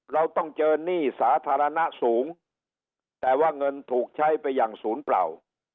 เราต้องเจอหนี้สาธารณะสูงแต่ว่าเงินถูกใช้ไปอย่างศูนย์เปล่า